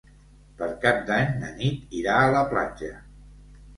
Per Cap d'Any na Nit irà a la platja.